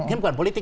ini bukan politik